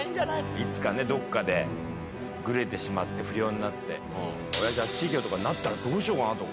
いつかね、どこかでグレてしまって、不良になって、おやじあっち行けよ！とかなったらどうしようかなとか。